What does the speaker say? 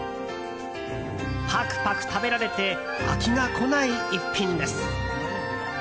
パクパク食べられて飽きがこない一品です。